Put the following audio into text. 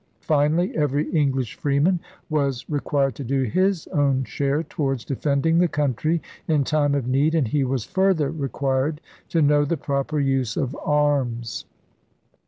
Finally, every English freeman was re quired to do his own share towards defending the country in time of need, and he was further required to know the proper use of arms.